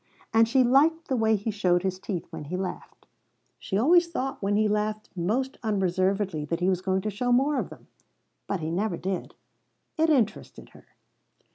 And she liked the way he showed his teeth when he laughed. She always thought when he laughed most unreservedly that he was going to show more of them; but he never did; it interested her.